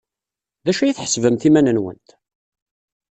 D acu ay tḥesbemt iman-nwent?